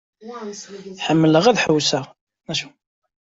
Ḥemmleɣ ad ḥewseɣ.